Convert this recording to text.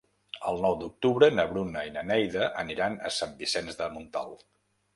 El nou d'octubre na Bruna i na Neida aniran a Sant Vicenç de Montalt.